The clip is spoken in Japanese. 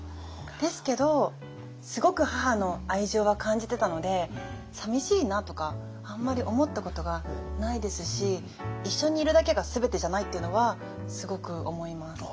ですけどすごく母の愛情は感じてたのでさみしいなとかあんまり思ったことがないですし一緒にいるだけがすべてじゃないっていうのはすごく思います。